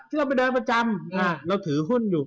เราไปเดินประจำเราถือหุ้นอยู่